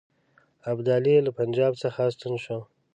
ابدالي له پنجاب څخه ستون شو.